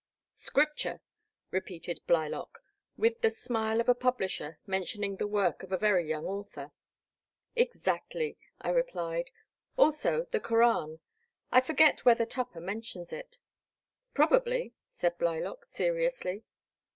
''Scripture," repeated Blylock, with the smile of a publisher mentioning the work of a very young author. " Exactly," I replied, " also the Koran; I for get whether Tupper mentions it." Probably," said Blylock seriously.